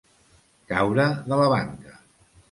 Caure de la banca.